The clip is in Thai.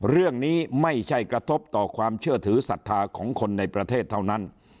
เรื่องนี้ไม่ใช่กระทบต่อความเชื่อถือศรัทธาของคนในประเทศเท่านั้น